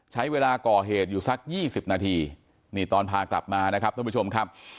ใช้เวลาก่อเหตุอยู่สัก๒๐นาทีนี่ตอนพากลับมานะครับท่านผู้ชมครับ